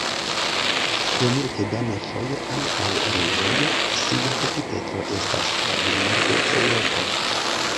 Pro multe da nepoj, ankaŭ reĝoj, ŝia epiteto estas: "Avino de Eŭropo".